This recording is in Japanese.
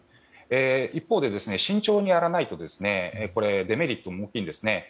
一方で慎重にやらないとデメリットも大きいんですね。